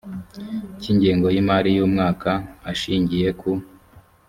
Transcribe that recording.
cy ingengo y imari y umwaka ashingiye ku